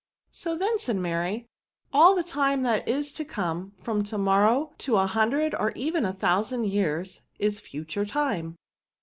""So then," said Maiy, " all the time that is to come, from to morrow to a himdred or even a thousand years, is future time."